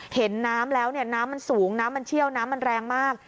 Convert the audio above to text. เห็นน้ำแล้วเนี่ยน้ำมันสูงน้ำมันเชี่ยวน้ำมันแรงมาก